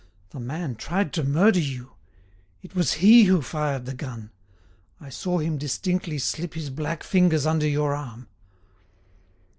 The man tried to murder you; it was he who fired the gun; I saw him distinctly slip his black fingers under your arm."